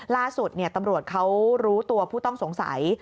ล่าสุดตำรวจเขารู้ตัวผู้ต้องสงสัย